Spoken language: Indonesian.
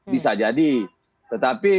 bisa jadi tetapi